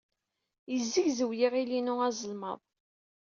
Yezzegzew yiɣil-inu azelmaḍ.